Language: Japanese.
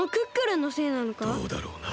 どうだろうな？